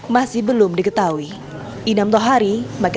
masih belum diketahui